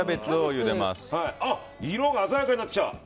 色が鮮やかになってきた。